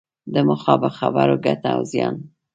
د مخامخ خبرو ګټه او زیان